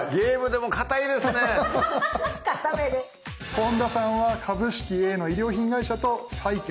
本田さんは株式Ａの衣料品会社と債券。